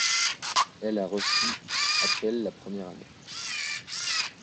Elle a reçu appels la première année.